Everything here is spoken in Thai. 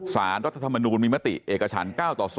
สารรัฐธรรมนูลมีมติเอกฉัน๙ต่อ๒